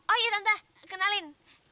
oh iya tante kenalin